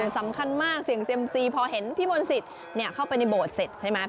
สำคัญมากเสี่ยงเซียมซีพอเห็นพี่มนต์สิทธิ์เข้าไปในโบสถเสร็จใช่ไหม